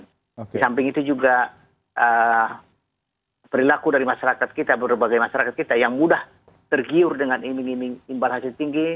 di samping itu juga perilaku dari masyarakat kita berbagai masyarakat kita yang mudah tergiur dengan iming iming imbal hasil tinggi